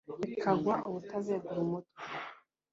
bikagwa ubutazegura umutwe,